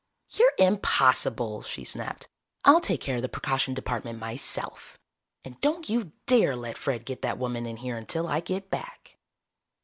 "You're impossible," she snapped. "I'll take care of the precaution department myself. And don't you dare let Fred get that woman in here until I get back."